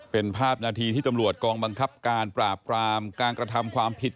เป็นภาพนาทีที่ตำรวจกองบังคับการปราบกรามการกระทำความผิด